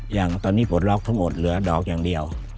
อย่างตอนนี้ปลดล็อกทั้งหมดเหลือดอกอย่างเดียว